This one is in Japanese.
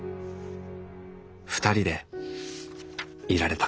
２人でいられた。